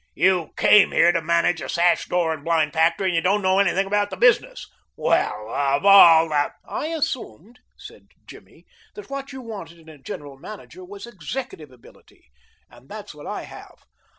"You came here to manage a sash, door and blind factory, and don't know anything about the business! Well, of all " "I assumed," said Jimmy, "that what you wanted in a general manager was executive ability, and that's what I have."